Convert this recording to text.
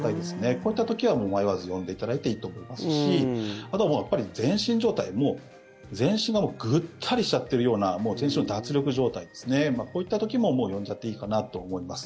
こういった時はもう迷わず呼んでいただいていいと思いますし、あとは全身状態全身がもうぐったりしちゃってるような全身の脱力状態ですねこういった時ももう呼んじゃっていいかなと思います。